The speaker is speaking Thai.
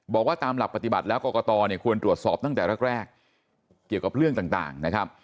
บอกว่าตามหลักปฏิบัติแล้วกรกตเนี่ยควรตรวจสอบตั้งแต่แรกเกี่ยวกับเรื่องต่างนะครับ